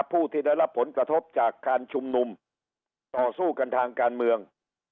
ผู้ที่ได้รับผลกระทบจากการชุมนุมต่อสู้กันทางการเมือง